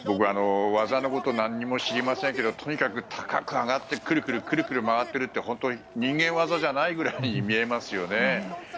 技のこと何も知りませんけどとにかく高く上がってくるくる回っているって本当に人間業じゃないように見えますよね。